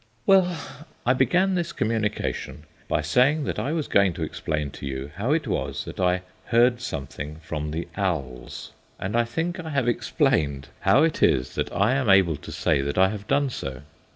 Well, I began this communication by saying that I was going to explain to you how it was that I "heard something from the owls," and I think I have explained how it is that I am able to say that I have done so.